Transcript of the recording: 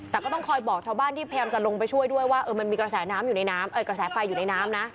แต่ก็ต้องคอยบอกชาวบ้านที่พยายามจะลงไปช่วยด้วยว่ามันมีกระแสไฟอยู่ในน้ำนะ